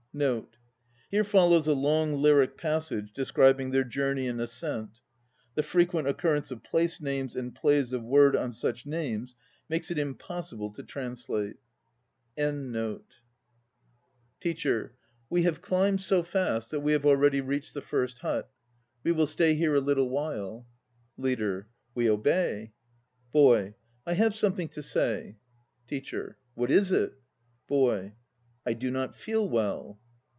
1 1 Here follows a long lyric passage describing their journey and ascent. The frequent occurrence of place names and plays of word on such names makes it impossible to translate. TANIKO 193 TEACHER. We have climbed so fast that we have already reached the first hut. We will stay here a little while. LEADER. We obey. BOY. I have something to say. TEACHER. What is it? BOY. I do not feel well.